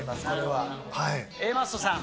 Ａマッソさん。